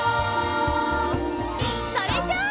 それじゃあ！